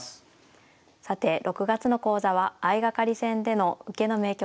さて６月の講座は相掛かり戦での受けの名局。